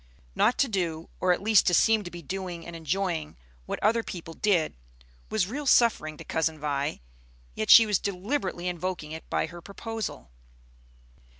Not to do, or at least to seem to be doing and enjoying, what other people did, was real suffering to Cousin Vi. Yet she was deliberately invoking it by her proposal.